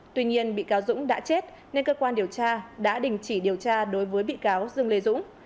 tuy nhiên bị cáo dũng đã chết nên cơ quan điều tra đã đình chỉ điều tra đối với bị cáo dương lê dũng